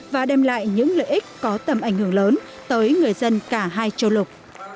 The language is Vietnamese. và đem lại những lợi ích có tầm ảnh hưởng lớn tới người dân cả hai châu lục